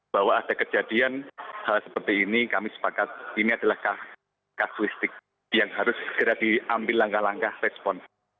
bahwa ada kejadian hal seperti ini kami sepakat ini adalah kasuistik yang harus segera diambil langkah langkah respon